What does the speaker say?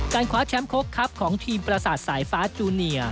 คว้าแชมป์โค้กครับของทีมประสาทสายฟ้าจูเนีย